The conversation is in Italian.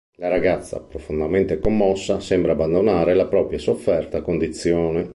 La ragazza, profondamente commossa, sembra abbandonare la propria sofferta condizione.